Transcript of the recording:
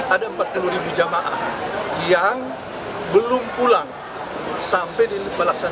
ada empat puluh ribu jemaah yang belum pulang